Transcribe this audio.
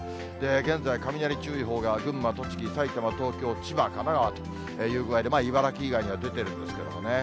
現在、雷注意報が群馬、栃木、埼玉、東京、千葉、神奈川という具合で、茨城以外には出ているんですけどね。